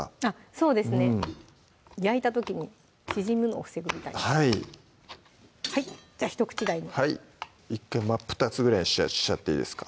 そうですね焼いた時に縮むのを防ぐみたいなはいはいじゃあ１口大にはい１回真っ二つぐらいにしちゃっていいですか？